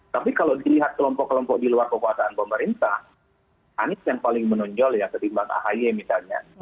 tapi kalau dilihat kelompok kelompok di luar kekuasaan pemerintah anies yang paling menonjol ya ketimbang ahy misalnya